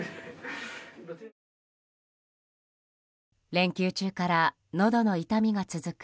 連休中から、のどの痛みが続く